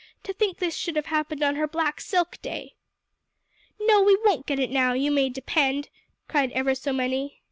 to think this should have happened on her black silk day!" "No, we won't get it now, you may depend," cried ever so many.